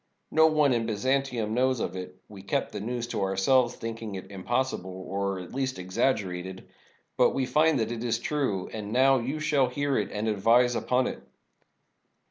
No one in Byzantium knows of it — we kept the news to ourselves, thinking it impossi ble, or at least exaggerated. But we find that it is true ; and now you shall hear it and advise upon it.